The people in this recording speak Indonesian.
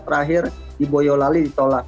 terakhir di boyolali ditolak